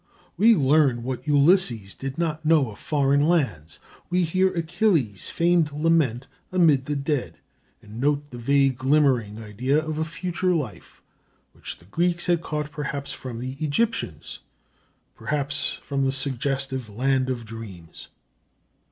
We learn what Ulysses did not know of foreign lands.. We hear Achilles' famed lament amid the dead, and note the vague glimmering idea of a future life, which the Greeks had caught perhaps from the Egyptians, perhaps from the suggestive land of dreams.